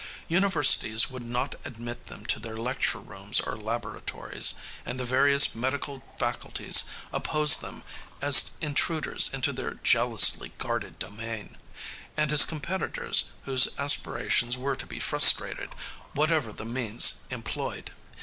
Universities would not admit them to their lecture rooms or laboratories, and the various medical faculties opposed them as intruders into their jealously guarded domain, and as competitors whose aspirations were to be frustrated, whatever the means employed.